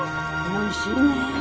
おいしい。